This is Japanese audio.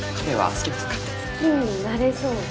「好きになれそう」